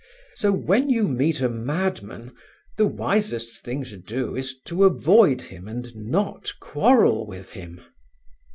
So when you meet a madman, the wisest thing to do is to avoid him and not quarrel with him."